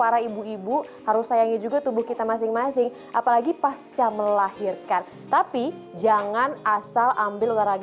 habis hamil itu ya setelah itu baru